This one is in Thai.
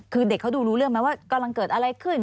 คือเด็กเขาดูรู้เรื่องไหมว่ากำลังเกิดอะไรขึ้น